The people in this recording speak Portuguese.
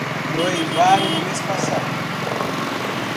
Noivaram no mês passado